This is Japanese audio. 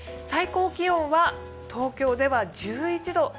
最高気温は東京では１１度。